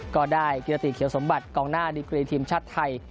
ก็ได้กิรติเขียวสมบัติกองหน้าดิกรีทีมชาติไทย